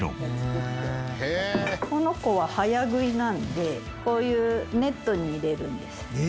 この子は早食いなのでこういうネットに入れるんです。